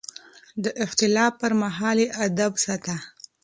د اختلاف پر مهال يې ادب ساته.